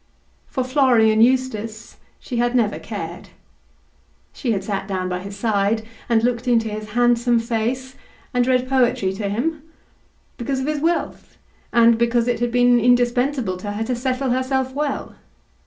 For Florian Eustace she had never cared. She had sat down by his side, and looked into his handsome face, and read poetry to him, because of his wealth, and because it had been indispensable to her to settle herself well.